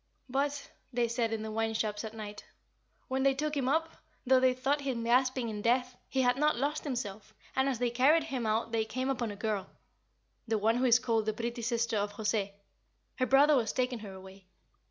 "But," they said in the wine shops at night, "when they took him up, though they thought him gasping in death, he had not lost himself; and as they carried him out they came upon a girl the one who is called 'the pretty sister of José' her brother was taking her away.